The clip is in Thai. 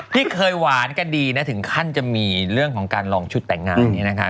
ที่เคยหวานกันดีนะถึงขั้นจะมีเรื่องของการลองชุดแต่งงานนี้นะคะ